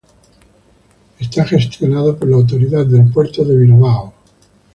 Está gestionado por la autoridad del puerto de Bilbao.